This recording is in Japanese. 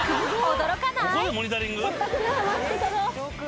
驚かない？